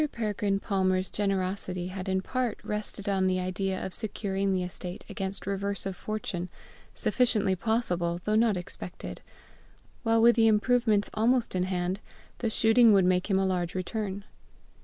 Peregrine Palmer's generosity had in part rested on the idea of securing the estate against reverse of fortune, sufficiently possible though not expected; while with the improvements almost in hand, the shooting would make him a large return.